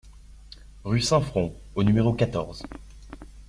Rue Saint-Front au numéro quatorze